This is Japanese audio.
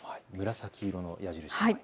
紫色の矢印です。